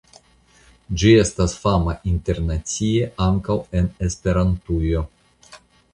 Ĝi estas fama internacie ankaŭ en Esperantujo.